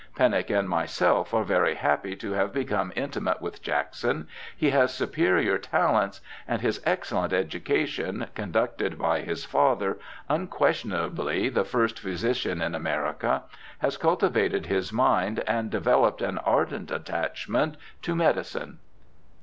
Pennock and myself are very happy to have become intimate with Jackson ; he has superior talents, and his excellent education, conducted by his father, unquestionably the first physician in America, has cultivated his mind and developed an ardent attachment to medicine.'